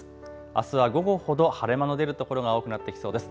あすは午後ほど晴れ間の出る所が多くなってきそうです。